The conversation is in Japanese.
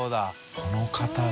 この方だ。